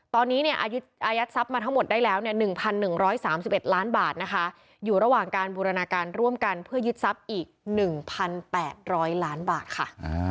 ตอนนี้อายัดทรัพย์มาทั้งหมดได้แล้ว๑๑๓๑ล้านบาทนะคะอยู่ระหว่างการบูรณาการร่วมกันเพื่อยึดทรัพย์อีก๑๘๐๐ล้านบาทค่ะ